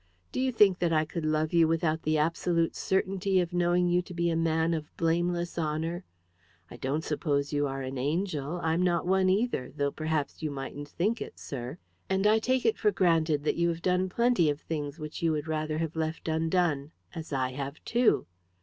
Do you think that I could love you without the absolute certainty of knowing you to be a man of blameless honour? I don't suppose you are an angel I'm not one either, though perhaps you mightn't think it, sir! And I take it for granted that you have done plenty of things which you would rather have left undone as I have too!